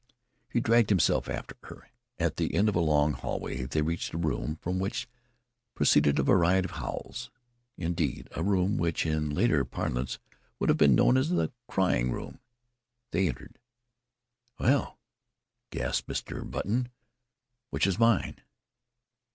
He dragged himself after her. At the end of a long hall they reached a room from which proceeded a variety of howls indeed, a room which, in later parlance, would have been known as the "crying room." They entered. "Well," gasped Mr. Button, "which is mine?"